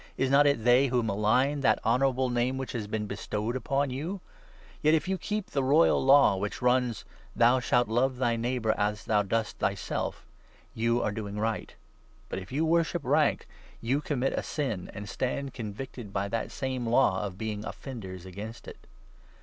Is not it they who malign that 7 honourable Name which has been bestowed upon you ? Yet, if 8 you keep the royal law which runs — 'Thou shalt love thy neigh bour as thou dost thyself,' you are doing right ; but, if you 9 worship rank, you commit a sin, and stand convicted by that same law of being offenders against it.